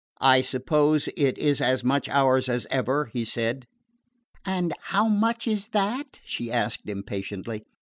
"I suppose it is as much ours as ever," he said. "And how much is that?" she asked impatiently.